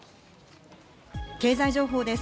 経済情報です。